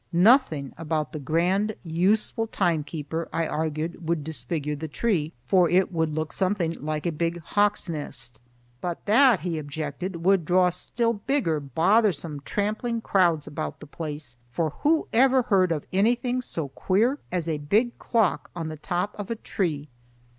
Nothing about the grand, useful timekeeper, I argued, would disfigure the tree, for it would look something like a big hawk's nest. "But that," he objected, "would draw still bigger bothersome trampling crowds about the place, for who ever heard of anything so queer as a big clock on the top of a tree?"